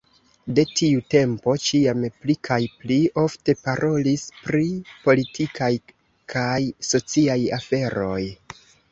De tiu tempo ĉiam pli kaj pli ofte parolis pri politikaj kaj sociaj aferoj.